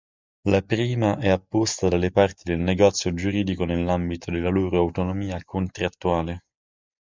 La prima è apposta dalle parti del negozio giuridico nell'ambito della loro autonomia contrattuale.